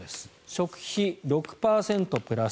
食費、６％プラス